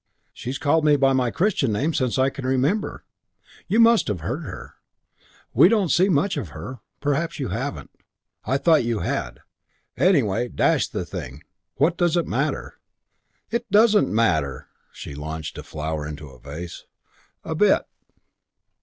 She's called me by my Christian name since I can remember. You must have heard her. We don't see much of her perhaps you haven't. I thought you had. Anyway, dash the thing. What does it matter?" "It doesn't matter" she launched a flower into a vase "a bit.